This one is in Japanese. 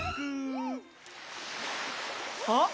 あっ！